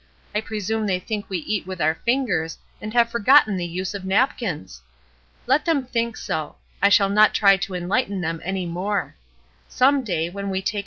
I presume th^ think we eat with our fingers and have forgotten the use of napkins. Let them think so ; I shall not try to enlighten them any more.